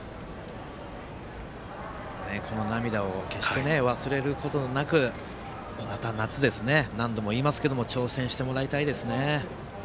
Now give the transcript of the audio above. この涙を決して忘れることなくまた夏、何度も言いますけど挑戦してもらいたいですね。